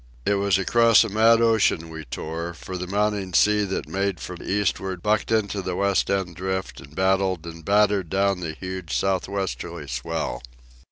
It was across a mad ocean we tore, for the mounting sea that made from eastward bucked into the West End Drift and battled and battered down the huge south westerly swell.